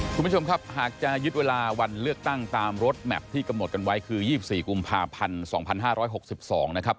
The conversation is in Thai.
คุณผู้ชมครับหากจะยึดเวลาวันเลือกตั้งตามรถแมพที่กำหนดกันไว้คือ๒๔กุมภาพันธ์๒๕๖๒นะครับ